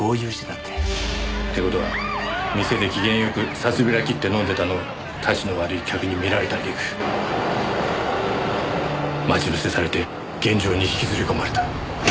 って事は店で機嫌よく札びら切って飲んでたのをたちの悪い客に見られたあげく待ち伏せされて現場に引きずり込まれた。